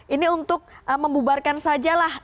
ini untuk membubarkan sajalah